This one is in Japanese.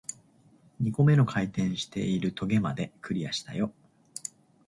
二個目の回転している棘まで、クリアしたよ